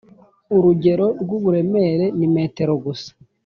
urugero rw uburemere nimetero gusa